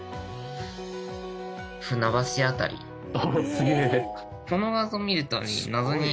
すげえ。